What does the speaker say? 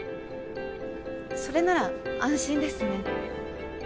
それなら安心ですね。